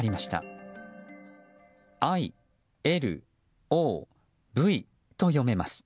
「Ｉ、Ｌ、Ｏ、Ｖ」と読めます。